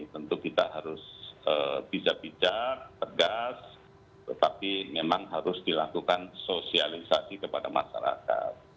tentu kita harus bijak bijak tegas tetapi memang harus dilakukan sosialisasi kepada masyarakat